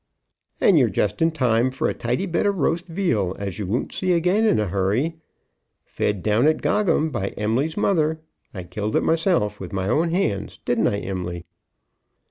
"And you're just in time for as tidy a bit of roast veal as you won't see again in a hurry, fed down at Gogham by Em'ly's mother. I killed it myself, with my own hands. Didn't I, Em'ly?"